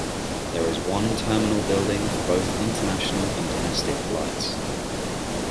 There is one terminal building for both international and domestic flights.